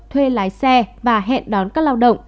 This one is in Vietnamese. thuê lái xe và hẹn đón các lao động